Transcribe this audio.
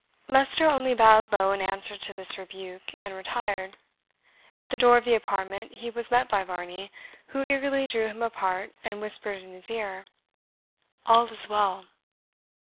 Leicester only bowed low in answer to this rebuke, and retired. At the door of the apartment he was met by Varney, who eagerly drew him apart, and whispered in his ear, "All is well!"